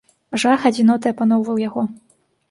Жах адзіноты апаноўваў яго.